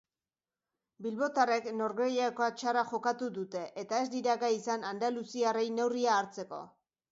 Bilbotarrek norgehiagoka txarra jokatu dute eta ez dira gai izan andaluziarrei neurria hartzeko.